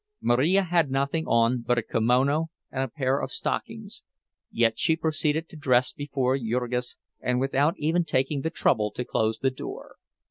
Marija had nothing on but a kimono and a pair of stockings; yet she proceeded to dress before Jurgis, and without even taking the trouble to close the door.